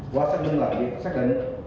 qua xác minh làm việc xác định